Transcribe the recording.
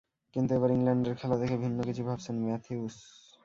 কিন্তু এবার ইংল্যান্ডের খেলা দেখে ভিন্ন কিছু ভাবছেন ম্যাথিউস।